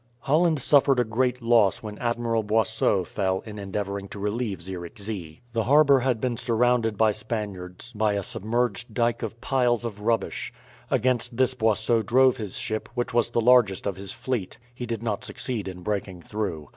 Holland suffered a great loss when Admiral Boisot fell in endeavouring to relieve Zierickzee. The harbour had been surrounded by Spaniards by a submerged dyke of piles of rubbish. Against this Boisot drove his ship, which was the largest of his fleet. He did not succeed in breaking through.